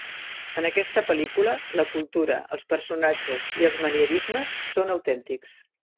En aquesta pel·lícula, la cultura, els personatges i els manierismes són autèntics.